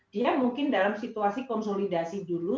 dia mungkin dalam situasi konsolidasi dulu